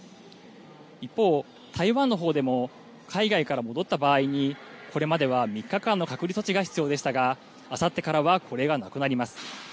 一方、台湾のほうでも、海外から戻った場合にこれまでは３日間の隔離措置が必要でしたが、あさってからはこれがなくなります。